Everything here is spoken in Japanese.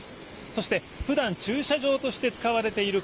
そして普段、駐車場として使われている